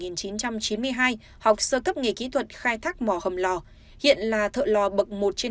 năm một nghìn chín trăm chín mươi hai học sơ cấp nghề kỹ thuật khai thác mỏ hầm lò hiện là thợ lò bậc một trên